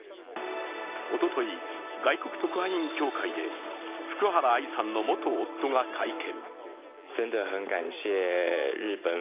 おととい、外国特派員協会で福原愛さんの元夫が会見。